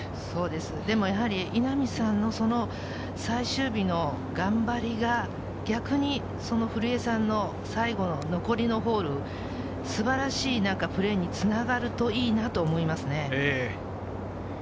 でも、やはり稲見さんの最終日の頑張りが逆に古江さんの最後の残りのホール、素晴らしいプレーにつながるといいなと思いますね。